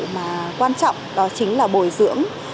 mà quan trọng đó chính là bồi dưỡng